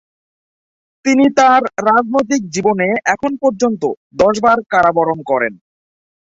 তিনি তার রাজনৈতিক জীবনে এখন পর্যন্ত দশবার কারাবরণ করেন।